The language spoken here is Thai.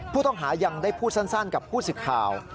ผู้ต้องหายังได้พูดสั้นกับผู้สิทธิ์ข่าว